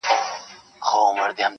دا کيسه د انساني درد يوه اوږده نښه ده-